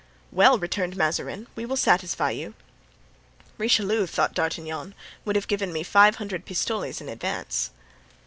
"Well," returned Mazarin, "we will satisfy you." "Richelieu," thought D'Artagnan, "would have given me five hundred pistoles in advance."